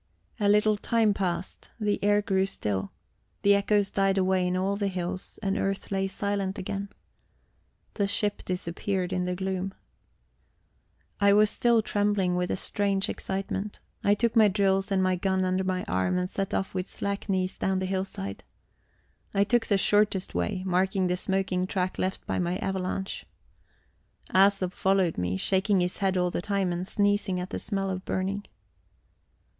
A little time passed; the air grew still, the echoes died away in all the hills, and earth lay silent again. The ship disappeared in the gloom. I was still trembling with a strange excitement. I took my drills and my gun under my arm and set off with slack knees down the hillside. I took the shortest way, marking the smoking track left by my avalanche. Æsop followed me, shaking his head all the time and sneezing at the smell of burning.